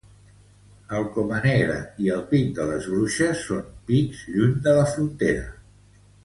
El Comanegra i el Pic de les Bruixes són Pics lluny de la frontera.